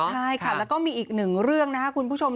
ใช่ค่ะแล้วก็มีอีกหนึ่งเรื่องนะครับคุณผู้ชม